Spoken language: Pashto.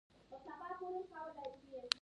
ډاکټران باید د خپل مسلک ډیر غږونه ثبت کړی